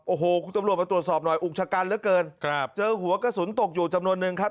โอ้โหคุณตำรวจมาตรวจสอบหน่อยอุกชะกันเหลือเกินครับเจอหัวกระสุนตกอยู่จำนวนนึงครับ